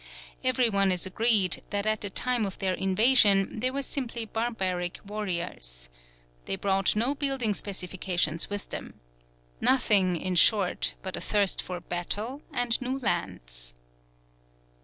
Every one is agreed that at the time of their invasion they were simply barbaric warriors. They brought no building specifications with them. Nothing, in short, but a thirst for battle and new lands.